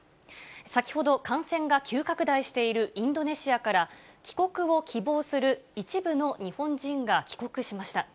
先ほど、感染が急拡大しているインドネシアから、帰国を希望する一部の日本人が帰国しました。